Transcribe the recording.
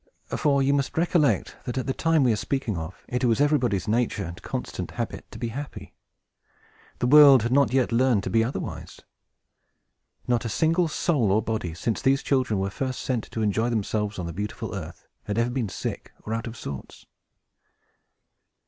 For you must recollect that, at the time we are speaking of, it was everybody's nature, and constant habit, to be happy. The world had not yet learned to be otherwise. Not a single soul or body, since these children were first sent to enjoy themselves on the beautiful earth, had ever been sick or out of sorts.